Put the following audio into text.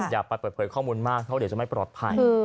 อย่าไปเปิดเผยข้อมูลมากเพราะเดี๋ยวจะไม่ปลอดภัย